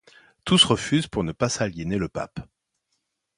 Tous refusent pour ne pas s'aliéner le pape.